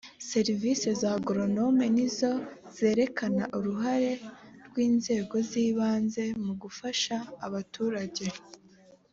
serivisi za agoronome nizo zerekana uruhare rw’ inzego z’ ibanze mu gufasha abaturage